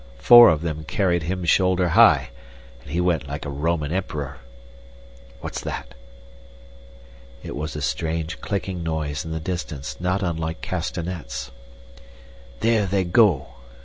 Four of them carried him shoulder high, and he went like a Roman emperor. What's that?" It was a strange clicking noise in the distance not unlike castanets. "There they go!"